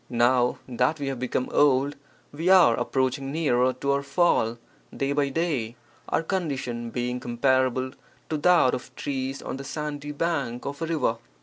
Now (that we have become old) we are ap proaching nearer to our fall day by day, our condition being comparable to that of trees on the sandy bank of a river.